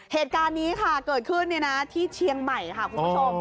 เหตุการณ์นี้ค่ะเกิดขึ้นที่เชียงใหม่ค่ะคุณผู้ชม